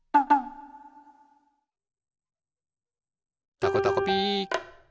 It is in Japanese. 「たこたこピー」